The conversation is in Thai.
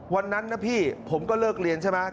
วันนั้นนะพี่ผมก็เลิกเรียนใช่ไหม